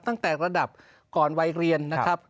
ตั้งแต่ระดับก่อนวัยเรียนนะครับ